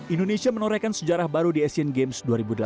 indonesia menorehkan sejarah baru di asian games dua ribu delapan belas